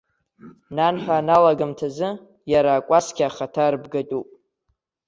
Нанҳәа аналагамҭазы иара акәасқьа ахаҭа рбгатәуп.